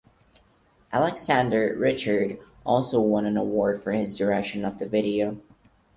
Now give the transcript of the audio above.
Alexandre Richard also won an award for his direction of the video.